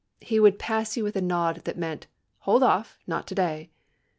He would pass you with a nod that meant 'Hold off not to day!